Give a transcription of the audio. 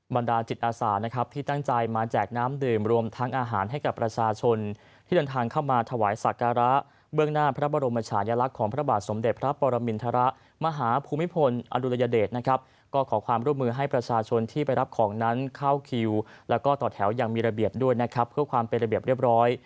บรรดาจิตอาสานะครับที่ตั้งใจมาแจกน้ำดื่มรวมทั้งอาหารให้กับประชาชนที่เดินทางเข้ามาถวายสักการะเบื้องหน้าพระบรมชายลักษณ์ของพระบาทสมเด็จพระปรมินทรมาหาภูมิพลอดุลยเดชนะครับก็ขอความร่วมมือให้ประชาชนที่ไปรับของนั้นเข้าคิวแล้วก็ต่อแถวอย่างมีระเบียบด้วยนะครับเพื่อความเป็นระเบียบเรียบร้อย